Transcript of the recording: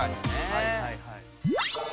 はいはいはい。